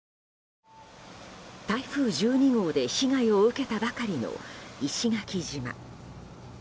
台風１２号で被害を受けたばかりの石垣島。